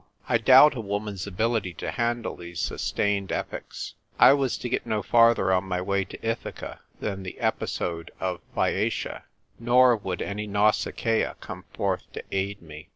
I doubt a woman's ability to handle these sustained epics. I was to get no farther on my way to Ithaca than the episode of Phaeacia. Nor would an}' Nausicaa come forth to aid me.